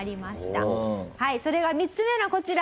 それが３つ目のこちら。